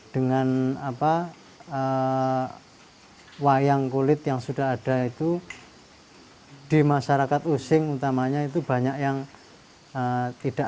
dengan apa wayang kulit yang sudah ada itu di masyarakat using utamanya itu banyak yang tidak